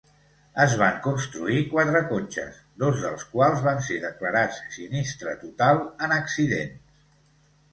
Es van construir quatre cotxes, dos dels quals van ser declarats sinistre total en accidents.